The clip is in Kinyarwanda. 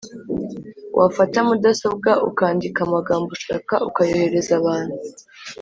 Wafata mudasobwa ukandika amagambo ushaka ukayohereza abantu